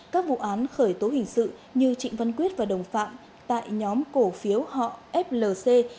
các vụ án khởi tố hình sự như trịnh văn quyết và đồng phạm tại nhóm cổ phiếu họ flc